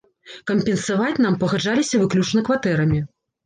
Кампенсаваць нам пагаджаліся выключна кватэрамі.